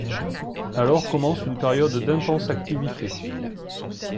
Alors commence une période d'intense activité.